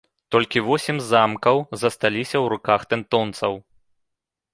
Толькі восем замкаў засталіся ў руках тэўтонцаў.